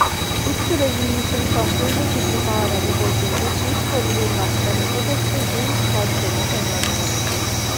উচ্চ-রেজল্যুশন সম্পূর্ণ চিত্র পাওয়ার আগে পর্যন্ত সুইস পনিরের নকশা নিকটস্থ জুম স্তর জন্য ব্যবহার করা হতো।